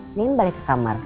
mungkin balik ke kamar